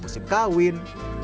masuknya musim kawin